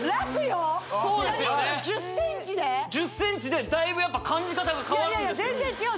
１０ｃｍでだいぶやっぱ感じ方が変わるんですよ